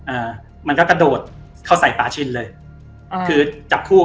อ่ามันก็กระโดดเข้าใส่ป่าชินเลยอ่าคือจับคู่